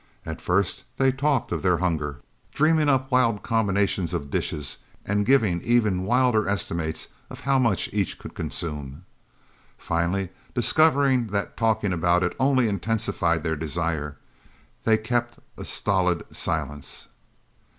At first, they talked of their hunger, dreaming up wild combinations of dishes and giving even wilder estimates of how much each could consume. Finally, discovering that talking about it only intensified their desire, they kept a stolid silence.